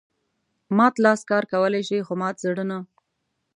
مات لاس کار کولای شي خو مات زړه نه.